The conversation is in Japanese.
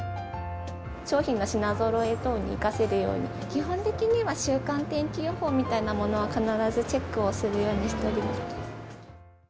商品の品ぞろえ等に生かせるように、基本的には、週間天気予報みたいなものは必ずチェックをするようにしております。